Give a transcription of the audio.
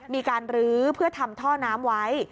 มีการลื้อเพื่อทำท่อน้ำไว้